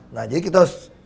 nah jadi kita harus